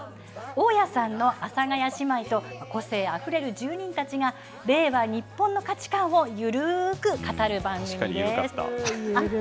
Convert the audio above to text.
大家さんの阿佐ヶ谷姉妹と、個性あふれる住人たちが、令和ニッポンの価値観を緩ーく語る番組です。